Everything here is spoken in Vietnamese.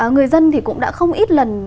người dân thì cũng đã không ít lần